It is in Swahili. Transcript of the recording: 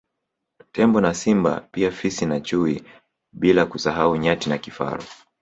Tembo na Simba pia Fisi na chui bila kusahau Nyati na Kifaru